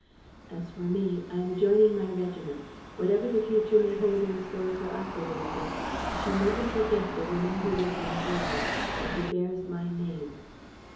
"As for me, I am joining my regiment. Whatever the future may hold in store for us, Élisabeth, I shall never forget the woman who was my bride and who bears my name.